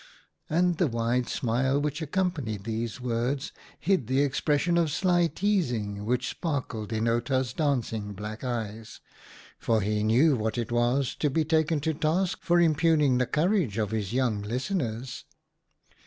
And the wide smile which accompanied these words hid the expression of sly teasing which sparkled in Outa's dancing black eyes, for he knew what it was to be taken to task for impugning the courage of his young lis teners.